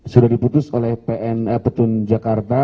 sudah diputus oleh pn petun jakarta